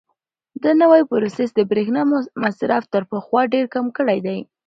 دا نوی پروسیسر د برېښنا مصرف تر پخوا ډېر کم کړی دی.